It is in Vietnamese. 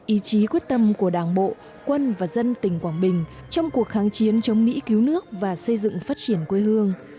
ý chí quyết tâm của đảng bộ quân và dân tỉnh quảng bình trong cuộc kháng chiến chống mỹ cứu nước và xây dựng phát triển quê hương